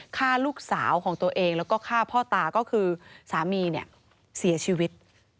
ฆ่าลูกสาวของตัวเองแล้วก็ฆ่าพ่อตาก็คือสามีเนี่ยเสียชีวิต